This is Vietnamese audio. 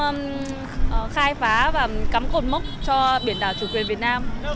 em khai phá và cắm cột mốc cho biển đảo chủ quyền việt nam